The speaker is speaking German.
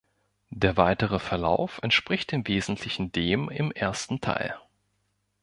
Der weitere Verlauf entspricht im Wesentlichen dem im ersten Teil.